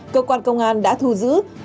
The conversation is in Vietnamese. cơ quan công an đã thu giữ